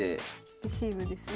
レシーブですね。